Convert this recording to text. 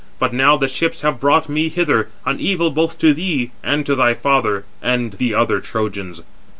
But now the ships have brought me hither, an evil both to thee and to thy father, and the other Trojans."